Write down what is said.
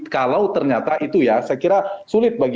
kalau ternyata itu ya saya kira sulit bagi